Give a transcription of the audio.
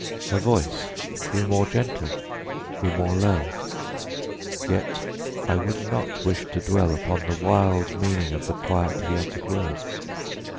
Her voice grew more gentle grew more low yet I would not wish to dwell upon the wild meaning of the quietly uttered words.